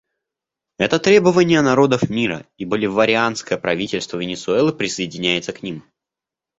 Это требования народов мира, и Боливарианское правительство Венесуэлы присоединяется к ним.